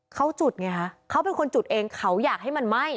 เขาจุดไงฮะเขาเป็นคนจุดเองเขาอยากให้มันไหม้